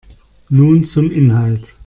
Nun zum Inhalt.